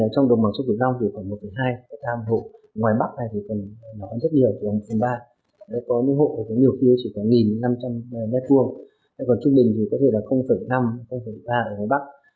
còn trung bình thì có thể là năm ba ở ngoài bắc